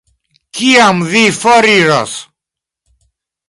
Kiam vi foriros?